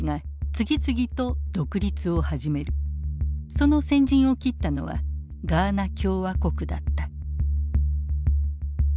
その先陣を切ったのはガーナ共和国だった。